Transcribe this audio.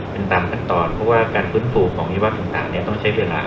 เป็นตามขั้นตอนเพราะว่าการฟื้นฟูของนิวัตต่างเนี่ยต้องใช้เวลา